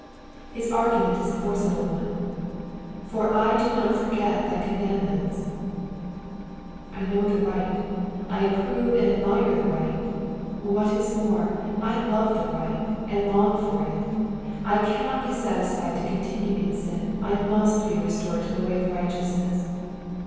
His argument is a forcible one, —/br I do not forget thy cammandifients,^^ I know the right, I approve and admire the right, what is more, I love the right, and long for it. I cannot be satisfied to continue in sin, I must be restored to the ways of righteousness.